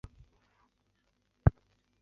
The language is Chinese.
希拉莱格利斯。